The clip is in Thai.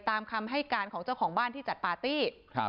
ตามคำให้การของเจ้าของบ้านที่จัดปาร์ตี้